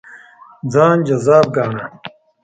ځان جذاب ګاڼه.